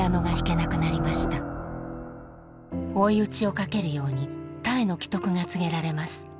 追い打ちをかけるようにたえの危篤が告げられます